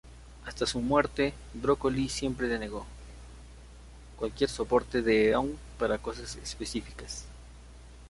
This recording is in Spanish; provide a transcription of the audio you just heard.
Hasta su muerte Broccoli siempre denegó, cualquier soporte de Eon para cosas específicas.